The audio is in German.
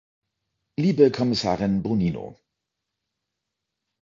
Liebe Kommissarin Bonino!